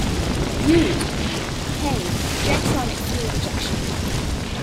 Used K-jetronic fuel injection.